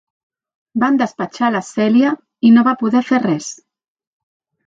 Van despatxar la Cèlia i no va poder fer res.